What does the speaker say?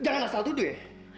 jangan asal tuduh ya